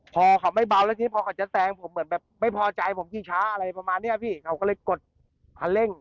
พอเขาไม่เบาแล้วทีนี้พอเขาจะแซงผมเหมือนแบบไม่พอใจผมขี่ช้าอะไรประมาณเนี้ยพี่เขาก็เลยกดคันเร่ง